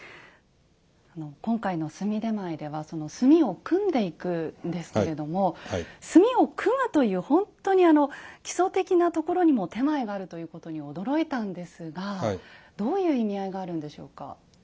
今回の炭点前では炭を組んでいくんですけれども炭を組むという本当に基礎的なところにも点前があるということに驚いたんですがどういう意味合いがあるんでしょうか？